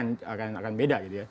jadi itu akan beda